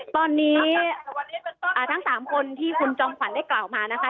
ตอนนี้ทั้ง๓คนที่คุณจอมขวัญได้กล่าวมานะคะ